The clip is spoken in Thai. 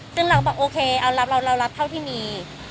ซึ่งเราก็บอกโอเคเอารับเรารับเท่าที่มี